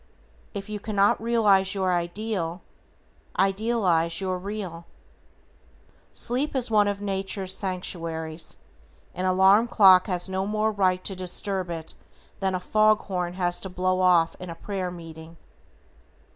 If you cannot realize your ideal, idealize your real. Sleep is one of Nature's sanctuaries; an alarm clock has no more right to disturb it than a fog horn has to blow off in a prayer meeting.